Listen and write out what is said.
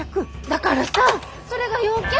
だからさそれが用件。